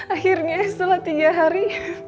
akhirnya setelah tiga hari